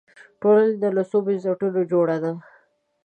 ټولنه له څو بنسټونو جوړه ده